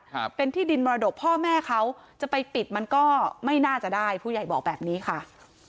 ครับเป็นที่ดินมรดกพ่อแม่เขาจะไปปิดมันก็ไม่น่าจะได้ผู้ใหญ่บอกแบบนี้ค่ะ